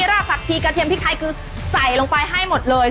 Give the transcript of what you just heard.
รากผักชีกระเทียมพริกไทยคือใส่ลงไปให้หมดเลย